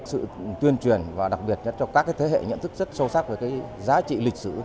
sự tuyên truyền và đặc biệt cho các thế hệ nhận thức rất sâu sắc về giá trị lịch sử